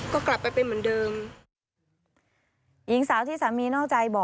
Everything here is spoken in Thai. ก็กลับไปเป็นเหมือนเดิมหญิงสาวที่สามีนอกใจบอก